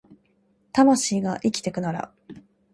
魂が生きてくなら